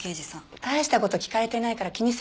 大した事聞かれてないから気にする事ないわ。